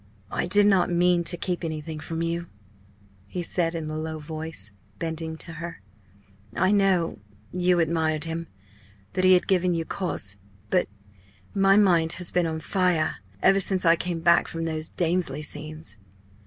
"I did not mean to keep anything from you," he said in a low voice, bending to her. "I know you admired him that he had given you cause. But my mind has been on fire ever since I came back from those Damesley scenes!"